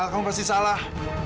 kamu pasti salah